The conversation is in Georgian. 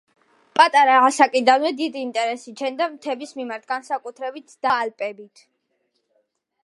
პატარა ასაკიდანვე დიდ ინტერეს იჩენდა მთების მიმართ, განსაკუთრებით დაინტერესებული იყო ალპებით.